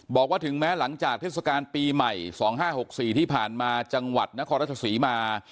บอกว่าถึงแม้หลังจากเทศกาลปีใหม่๒๕๖๔ที่ผ่านมาจังหวัดนครราชศรีมา